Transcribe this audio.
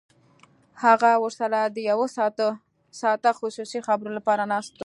هغه ورسره د یو ساعته خصوصي خبرو لپاره ناست و